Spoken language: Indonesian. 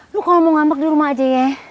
lu kalau mau ngambek di rumah aja ya